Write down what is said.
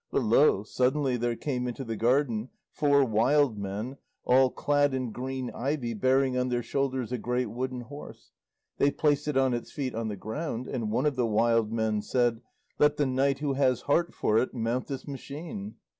But lo! suddenly there came into the garden four wild men all clad in green ivy bearing on their shoulders a great wooden horse. They placed it on its feet on the ground, and one of the wild men said, "Let the knight who has heart for it mount this machine."